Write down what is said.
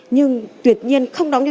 nhưng mà không có gì